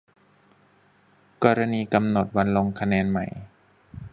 กรณีกำหนดวันลงคะแนนใหม่